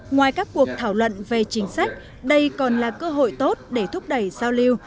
ngoài các cuộc thảo luận về chính sách đây còn là cơ hội tốt để thúc đẩy giao lưu